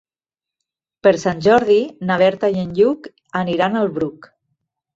Per Sant Jordi na Berta i en Lluc aniran al Bruc.